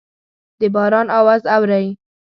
د باران اواز اورئ